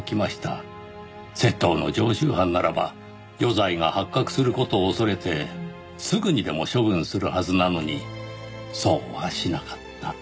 窃盗の常習犯ならば余罪が発覚する事を恐れてすぐにでも処分するはずなのにそうはしなかった。